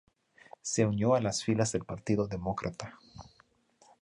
Se unió a las filas del Partido Demócrata.